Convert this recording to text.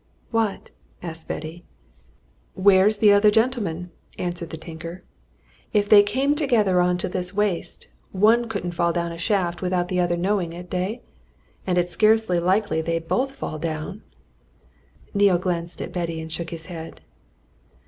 "What?" asked Betty. "Where's the other gentleman?" answered the tinker. "If they came together on to this waste, one couldn't fall down a shaft without the other knowing it, eh? And it's scarcely likely they'd both fall down." Neale glanced at Betty and shook his head.